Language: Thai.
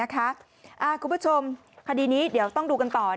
คุณผู้ชมคดีนี้เดี๋ยวต้องดูกันต่อ